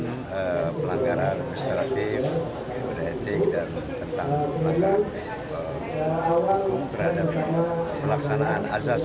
mereka melakukan pelanggaran administratif etik dan tentang pelanggaran hukum terhadap pelaksanaan azas